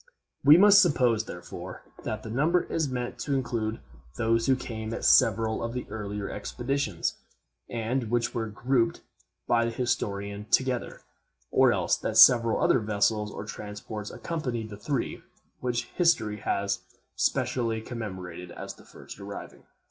We must suppose, therefore, that that number is meant to include those who came at several of the earlier expeditions, and which were grouped by the historian together, or else that several other vessels or transports accompanied the three, which history has specially commemorated as the first arriving.